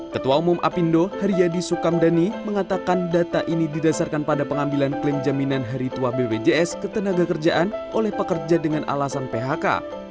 ketua umum apindo haryadi sukamdhani mengatakan data ini didasarkan pada pengambilan klaim jaminan hari tua bpjs ketenaga kerjaan oleh pekerja dengan alasan phk